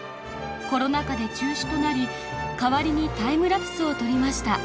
コロナ禍で中止となり代わりにタイムラプスを撮りました。